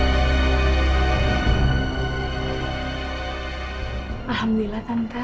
tolong kasih kesempatan kedua ke tante farah